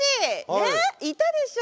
ねっいたでしょう？